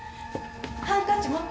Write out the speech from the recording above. ハンカチ持った？